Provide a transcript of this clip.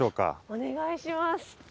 お願いします。